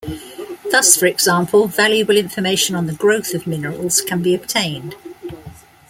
Thus, for example, valuable information on the growth of minerals can be obtained.